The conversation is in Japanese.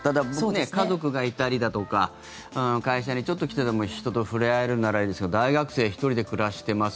家族がいたりだとか会社にちょっと来てでも人と触れ合えるならいいですけど大学生１人で暮らしています